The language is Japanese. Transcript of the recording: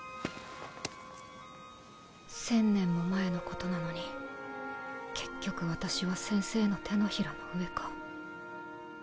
１０００年も前のことなのに結局私は先生の手のひらの上か。